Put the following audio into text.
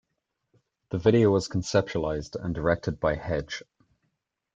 The video was conceptualized and directed by Hegde.